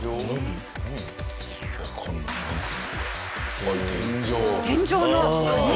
うわっ天井。